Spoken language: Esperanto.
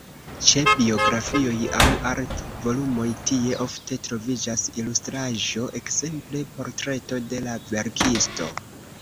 Ĉe biografioj aŭ art-volumoj tie ofte troviĝas ilustraĵo, ekzemple portreto de la verkisto.